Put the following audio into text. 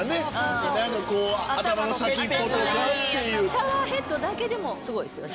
シャワーヘッドだけでもすごいですよね。